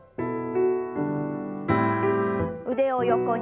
腕を横に。